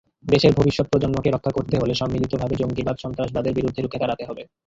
দেশের ভবিষ্যৎ প্রজন্মকে রক্ষা করতে হলে সম্মিলিতভাবে জঙ্গিবাদ-সন্ত্রাসবাদের বিরুদ্ধে রুখে দাঁড়াতে হবে।